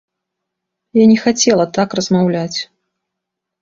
Я не хацела так размаўляць.